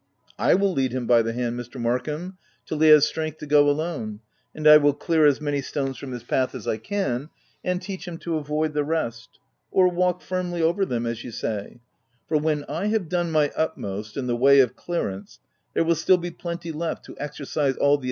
,," I will lead him by the hand, Mr. Mark ham, till he has strength to go alone ; and I will clear as many stones from his path as I can, and teach him to avoid the rest — or walk firmly over them, as you say ;— for when I have done my utmost, in the way of clearance, there will still be plenty left to exercise all the OF WILDFELL HALL.